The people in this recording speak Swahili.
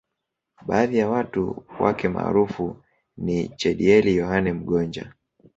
Baadhi ya watu wake maarufu niChedieli Yohane Mgonja